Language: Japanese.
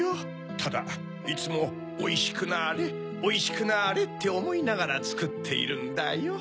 ただいつも「おいしくなれおいしくなれ」っておもいながらつくっているんだよ。